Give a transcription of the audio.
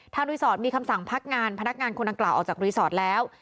รีสอร์ทมีคำสั่งพักงานพนักงานคนดังกล่าวออกจากรีสอร์ทแล้ว